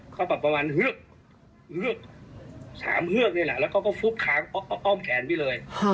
เขาแบบประมาณ๓เฮือกนี่แหละแล้วก็ฟุบค้างอ้อมแขนไปเลย